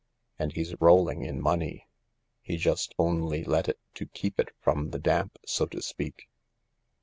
And he's rolling in money ; he just only let it to keep it from the damp, so to speak.